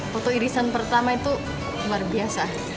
foto irisan pertama itu luar biasa